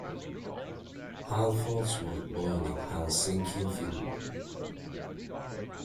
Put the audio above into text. Ahlfors was born in Helsinki, Finland.